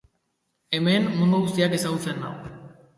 Hemen, mundu guztiak ezagutzen nau.